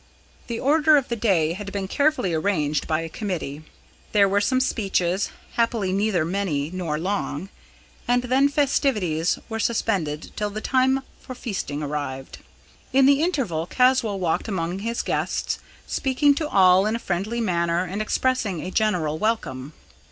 The order of the day had been carefully arranged by a committee. There were some speeches, happily neither many nor long; and then festivities were suspended till the time for feasting arrived. In the interval Caswall walked among his guests, speaking to all in a friendly manner and expressing a general welcome.